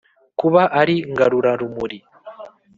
kuba ari ngarurarumuri